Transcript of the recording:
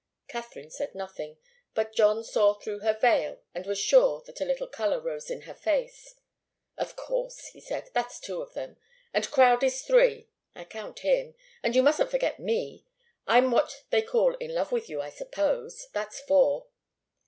Katharine said nothing, but John saw through her veil and was sure that a little colour rose in her face. "Of course!" he said. "That's two of them. And Crowdie's three. I count him. And you mustn't forget me. I'm what they call in love with you, I suppose. That's four."